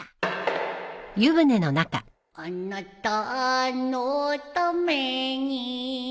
「あなたのために」